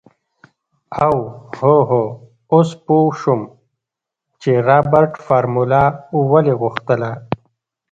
اوهوهو اوس پو شوم چې رابرټ فارموله ولې غوښتله.